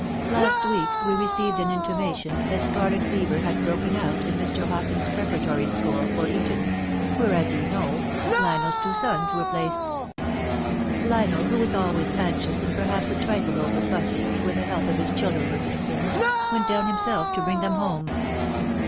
Last week we received an intimation that scarlet fever had broken out in Mr. Hawkins's prepara tory school for Eton, where, as you know, Lionel's two sons were placed Lionel, who was always anxious and perhaps a trifle over fussy, where the health of his children were con cerned, went down himself to bring them home.